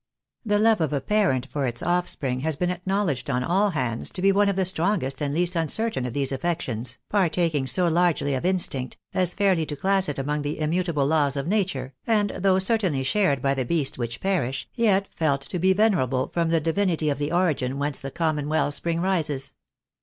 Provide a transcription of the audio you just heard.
The love of a parent for its offspring has been acknow ledged on all hands to be one of the strongest and least uncertain of these affections, partaking so largely of instinct, as fairly to class it among the immutable laws of nature, and though certainly shared by the beasts which perish, yet felt to be venerable from the divinity of the origin whence the common well spring rises.